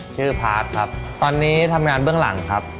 พาร์ทครับตอนนี้ทำงานเบื้องหลังครับ